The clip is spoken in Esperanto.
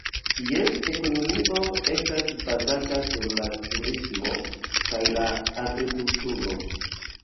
Ties ekonomio estas bazata sur la turismo kaj la agrikulturo.